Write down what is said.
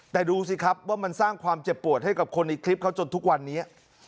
แต่ดูสิครับว่ามันสร้างความเจ็บปวดให้กับคนในคลิปเขาจนทุกวันนี้